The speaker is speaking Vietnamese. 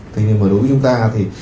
thế nhưng mà đối với chúng ta thì